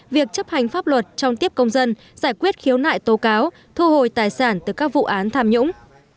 việc chấp hành pháp luật trong tiếp công dân giải quyết khiếu nại tố cáo thu hồi tài sản từ các vụ án tham nhũng